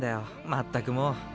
まったくもう。